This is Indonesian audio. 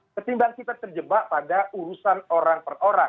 ketimbang kita terjebak pada urusan orang per orang